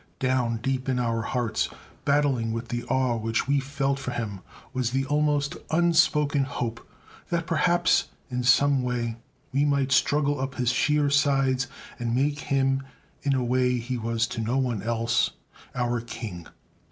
Down deep in our hearts, battling with the awe which we felt for him, was the almost unspoken hope that perhaps in some way we might struggle up his sheer sides and make him, in a way he was to no one else, our king.